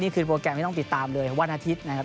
โปรแกรมที่ต้องติดตามเลยวันอาทิตย์นะครับ